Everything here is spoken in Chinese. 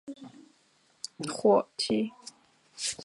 盛行修筑古坟的时代。